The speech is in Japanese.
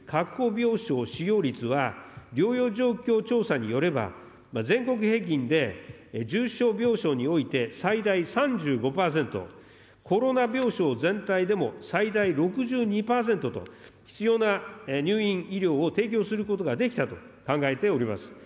病床使用率は療養状況調査によれば、全国平均で重症病床において最大３５％、コロナ病床全体でも最大６２％と、必要な入院医療を提供することができたと考えております。